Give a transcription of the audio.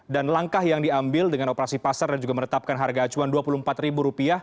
dan langkah yang diambil dengan operasi pasar dan juga menetapkan harga acuan rp dua puluh empat